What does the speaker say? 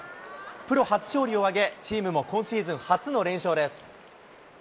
プロ初勝利を挙げ、チームも今シーズン初の連勝です。